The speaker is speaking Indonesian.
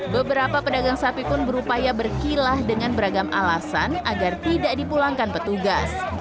beberapa pedagang sapi pun berupaya berkilah dengan beragam alasan agar tidak dipulangkan petugas